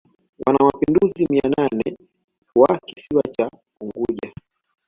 wanamapinduzi mia nane wa kisiwa kikuu cha Unguja